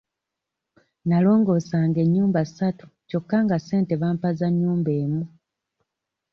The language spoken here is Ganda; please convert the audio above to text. Nalongoosanga ennyumba ssatu kyokka nga ssente bampa za nnyumba emu.